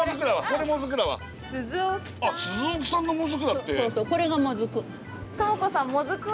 これがもずく。